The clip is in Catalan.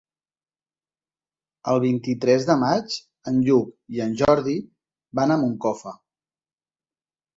El vint-i-tres de maig en Lluc i en Jordi van a Moncofa.